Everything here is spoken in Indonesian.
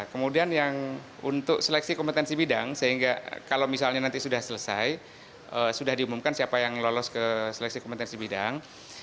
kemudian yang untuk seleksi kompetensi bidang sehingga kalau misalnya nanti sudah selesai sudah diumumkan siapa yang lolos ke seleksi kompetensi bidang